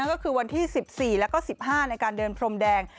ก็คือวันที่๑๔แล้วก็๑๕ในการเดินพรมแดง